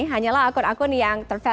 hanyalah akun akun yang